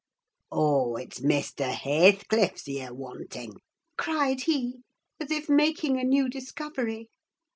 "Oh! it's Maister Hathecliff's ye're wanting?" cried he, as if making a new discovery.